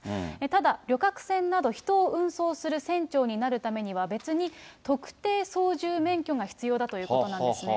ただ、旅客船など人を運送する船長になるためには、別に、特定操縦免許が必要だということなんですね。